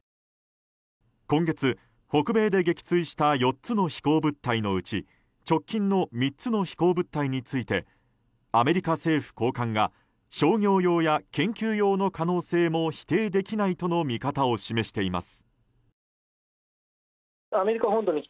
今月、北米で撃墜した４つの飛行物体のうち直近の３つの飛行物体についてアメリカ政府高官が商業用や研究用の可能性も否定できないとの見方を示しています。